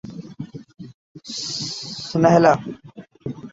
Sinhala